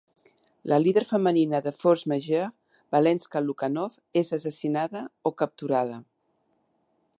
La líder femenina de Force Majeure, Valeska Lukanov, és assassinada o capturada.